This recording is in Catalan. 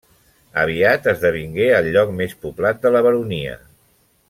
Aviat esdevingué el lloc més poblat de la baronia.